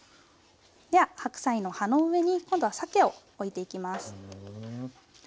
では白菜の葉の上に今度はさけを置いていきます。